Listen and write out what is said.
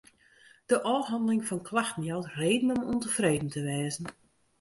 De ôfhanneling fan klachten jout reden om ûntefreden te wêzen.